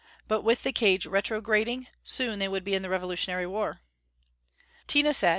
But with the cage retrograding, soon they would be in the Revolutionary War. Tina said.